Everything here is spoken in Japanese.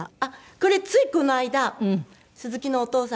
これついこの間鈴木のお父さん。